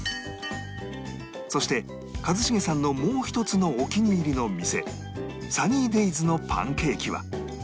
そして一茂さんのもう一つのお気に入りの店 ＳｕｎｎｙＤａｙｓ のパンケーキは